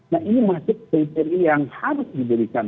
nah ini masuk kriteria yang harus diberikan